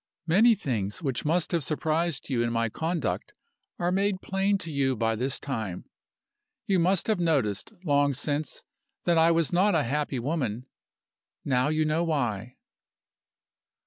Many things which must have surprised you in my conduct are made plain to you by this time. You must have noticed long since that I was not a happy woman. Now you know why.